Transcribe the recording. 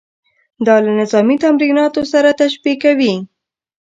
دا له نظامي تمریناتو سره تشبیه کوي.